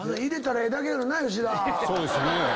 そうですね。